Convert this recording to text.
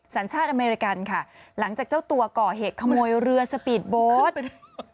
สัญชาติอเมริกันค่ะหลังจากเจ้าตัวก่อเหตุขโมยเรือสปีดโบสต์